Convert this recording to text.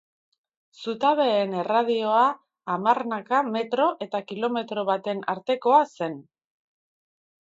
Zutabeen erradioa hamarnaka metro eta kilometro baten artekoa zen.